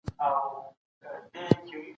هنري ژبه د لوستونکي پام ځان ته اړوي.